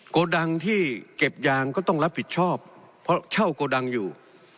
โกดังที่เก็บยางก็ต้องรับผิดชอบเพราะเช่าโกดังอยู่